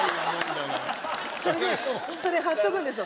それ貼っとくんですよ。